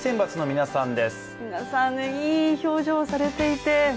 皆さんいい表情をされていて。